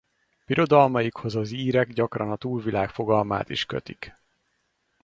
Birodalmaikhoz az írek gyakran a túlvilág fogalmát is kötik.